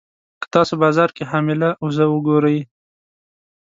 که تاسو بازار کې حامله اوزه وګورئ.